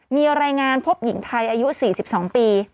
มีรายงานพบหญิงไทยอายุ๔๒ปี